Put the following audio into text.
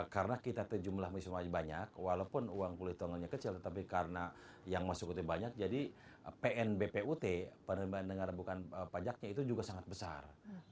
karena kita jumlah misi mahasiswa banyak walaupun uang kuliah tunggalnya kecil tapi karena yang masuk ut banyak jadi pnbput penerimaan rebutan pajaknya itu juga sangat besar